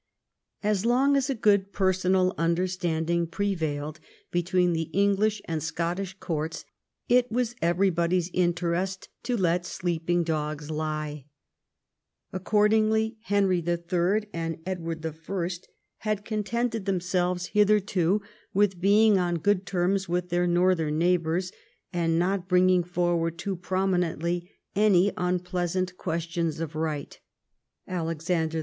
As long as a good personal understanding prevailed between the English and Scottish courts, it was every body's interest to let sleeping dogs lie. Accordingly Henry III. and Edward I. had contented themselves hitherto with being on good terms witli their northern neighbours, and not bringing forward too prominently any unpleasant questions of right. Alexander II.